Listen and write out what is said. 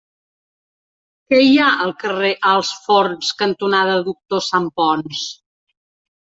Què hi ha al carrer Alts Forns cantonada Doctor Santponç?